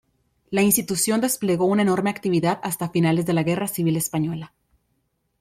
La institución desplegó una enorme actividad hasta finales de la Guerra Civil Española.